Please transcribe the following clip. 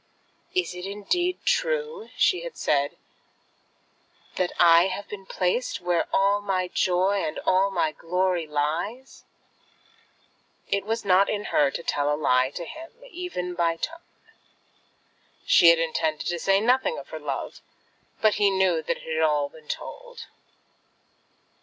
"Is it indeed true," she had said, "that I have been placed there where all my joy and all my glory lies?" It was not in her to tell a lie to him, even by a tone. She had intended to say nothing of her love, but he knew that it had all been told.